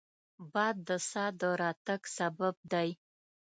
باد د سا د راتګ سبب دی